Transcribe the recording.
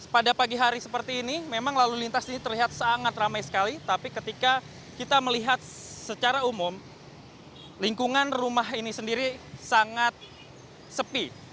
pada pagi hari seperti ini memang lalu lintas ini terlihat sangat ramai sekali tapi ketika kita melihat secara umum lingkungan rumah ini sendiri sangat sepi